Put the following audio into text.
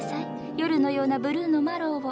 夜のようなブルーのマロウを。